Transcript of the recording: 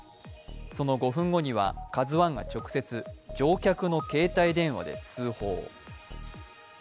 その５分後には「ＫＡＺＵⅠ」が直接乗客の携帯電話で通報。